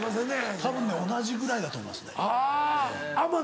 たぶん同じぐらいだと思います。